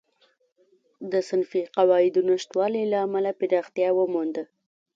د صنفي قواعدو نشتوالي له امله پراختیا ومونده.